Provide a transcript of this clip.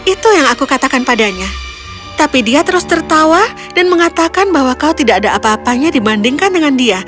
itu yang aku katakan padanya tapi dia terus tertawa dan mengatakan bahwa kau tidak ada apa apanya dibandingkan dengan dia